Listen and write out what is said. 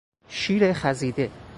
شیر خیزیده